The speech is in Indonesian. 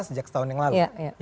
sejak setahun yang lalu